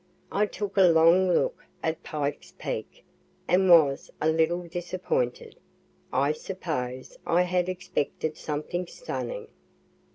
I took a long look at Pike's peak, and was a little disappointed. (I suppose I had expected something stunning.)